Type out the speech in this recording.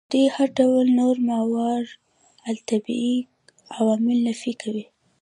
دوی هر ډول نور ماورا الطبیعي عوامل نفي کوي.